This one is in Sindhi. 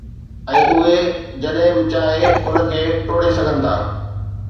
۽ اهي جڏهن به چاهي ان کي ٽوڙي سگهن ٿا.